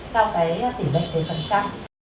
theo tỷ lệ phần trăm